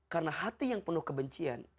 karena hati yang penuh kebencian